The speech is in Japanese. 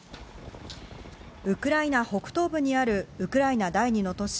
ウクライナ北東部にあるウクライナ第２の都市